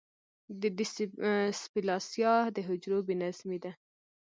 د ډیسپلاسیا د حجرو بې نظمي ده.